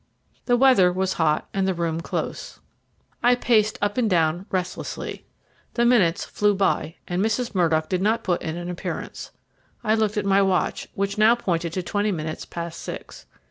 The weather was hot and the room close. I paced up and down restlessly. The minutes flew by and Mrs. Murdock did not put in an appearance. I looked at my watch, which now pointed to twenty minutes past six.